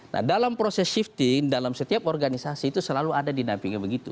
nah dalam proses shifting dalam setiap organisasi itu selalu ada dinampingnya begitu